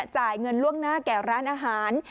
จ่ายเงินล่วงหน้าแก่ร้านอาหาร